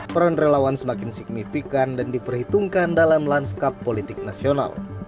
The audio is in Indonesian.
peran relawan semakin signifikan dan diperhitungkan dalam lanskap politik nasional